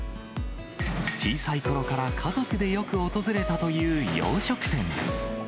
小さいころから家族でよく訪れたという洋食店です。